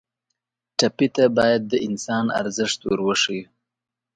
ټپي ته باید د انسان ارزښت ور وښیو.